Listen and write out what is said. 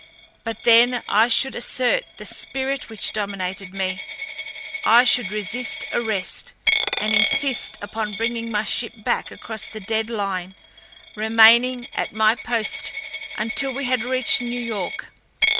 But then I should assert the spirit which dominated me, I should resist arrest, and insist upon bringing my ship back across the dead line, remaining at my post until we had reached New York.